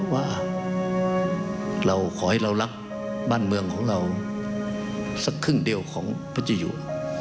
ว่าเราขอให้เรารักบ้านเมืองของเราสักครึ่งเดียวของพระเจ้าอยู่